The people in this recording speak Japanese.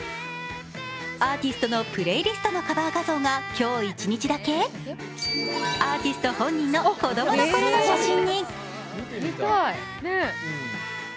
アーティストのプレイリストのカバー画像が今日一日だけアーティスト本人の子供のころの写真に。